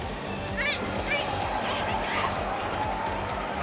はい！